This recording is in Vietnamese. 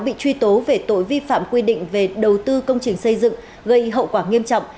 bị truy tố về tội vi phạm quy định về đầu tư công trình xây dựng gây hậu quả nghiêm trọng